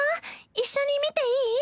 一緒に見ていい？